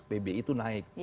pbi itu naik